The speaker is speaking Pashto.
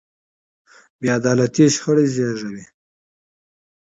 بې عدالتي شخړې زېږوي